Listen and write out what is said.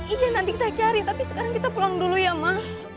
iya nanti kita cari tapi sekarang kita pulang dulu ya ma